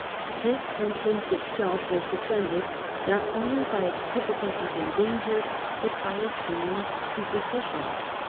This entrance itself was defetided not only by its difficulties and dangers, but by a strange superstition.